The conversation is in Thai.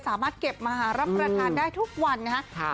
สามารถเก็บมาหารับประทานได้ทุกวันนะครับ